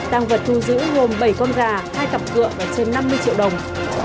tăng vật thu giữ gồm bảy con gà hai cặp cựa và trên năm mươi triệu đồng